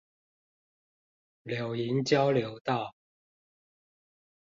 柳營交流道